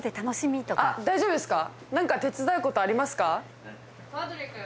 あっ大丈夫ですか？